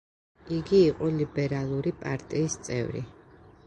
იგი იყო ლიბერალური პარტიის წევრი.